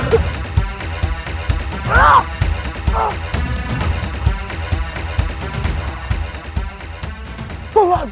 untuk mendapatkan makan